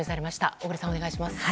小栗さん、お願いします。